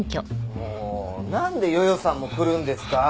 もうなんでよよさんも来るんですか。